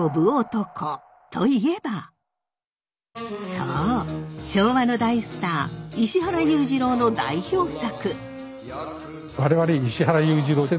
そう昭和の大スター石原裕次郎の代表作。